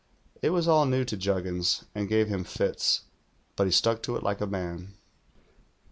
It was all new to Juggins, and gave him fits; but he stuck to it like a man.